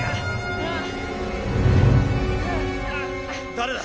誰だ？